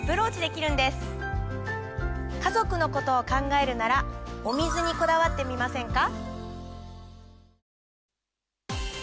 家族のことを考えるならお水にこだわってみませんか？